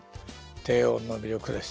低音の魅力です。